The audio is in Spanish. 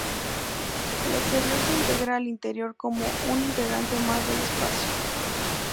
El exterior se integra al interior como un integrante más del espacio.